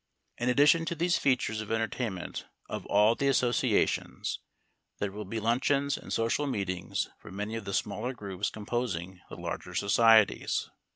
In addition to these features of entertainment of all the associations, there will be luncheons and social meetings for many of the smaller groups composing the larger societies.